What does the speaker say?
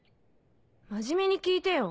真面目に聞いてよ